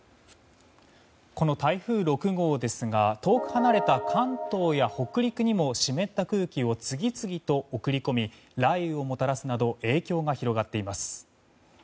台風６号ですが遠く離れた関東や北陸にも湿った空気を次々と送り込み雷雨をもたらすなど影響が広がっています。